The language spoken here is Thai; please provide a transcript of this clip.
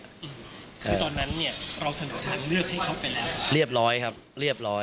คือตอนนั้นเนี่ยเราเสนอทางเลือกให้เขาไปแล้วเรียบร้อยครับเรียบร้อย